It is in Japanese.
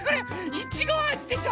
いちごあじでしょ？